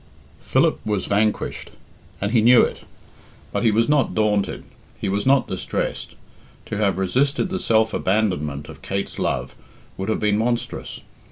Philip was vanquished, and he knew it, but he was not daunted, he was not distressed. To have resisted the self abandonment of Kate's love would have been monstrous.